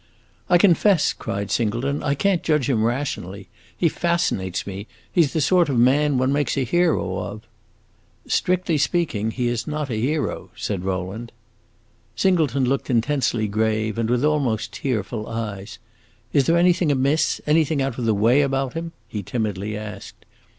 "I confess," cried Singleton, "I can't judge him rationally. He fascinates me; he 's the sort of man one makes one's hero of." "Strictly speaking, he is not a hero," said Rowland. Singleton looked intensely grave, and, with almost tearful eyes, "Is there anything amiss anything out of the way, about him?" he timidly asked.